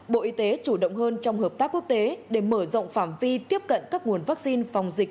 bộ y tế chủ động hơn trong hợp tác quốc tế để mở rộng phạm vi tiếp cận các nguồn vaccine phòng dịch